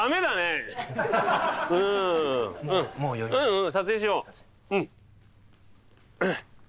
うんうん撮影しよう。